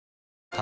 あ